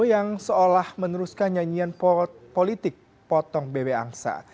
yang seolah meneruskan nyanyian politik potong bebek angsa